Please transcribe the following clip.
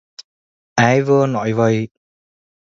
Ai vừa nói vậy